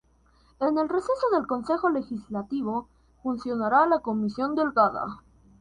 En el receso del Consejo Legislativo funcionará la Comisión Delegada.